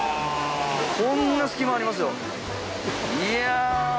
こんな隙間ありますよいや。